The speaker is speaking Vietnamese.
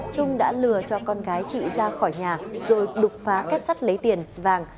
trung đã lừa cho con gái chị ra khỏi nhà rồi đục phá kết sắt lấy tiền vàng